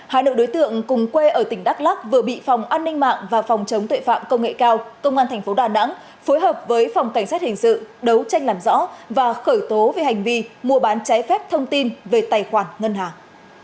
hà nội đối tượng cùng quê ở tỉnh đắk lắc vừa bị phòng an ninh mạng và phòng chống tuệ phạm công nghệ cao công an tp đà nẵng phối hợp với phòng cảnh sát hình sự đấu tranh làm rõ và khởi tố về hành vi mua bán trái phép thông tin về tài khoản ngân hàng